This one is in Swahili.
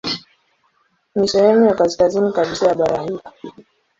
Ni sehemu ya kaskazini kabisa ya bara hilo.